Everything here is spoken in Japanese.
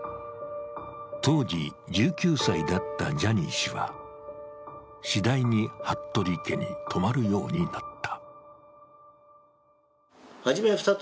当時１９歳だったジャニー氏は、次第に服部家に泊まるようになった。